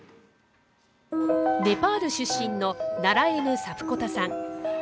ネパール出身のナラエヌ・サプコタさん。